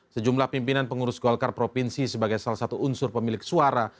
sejumlah pimpinan pengurus golkar provinsi sebagai salah satu unsur pemilik suara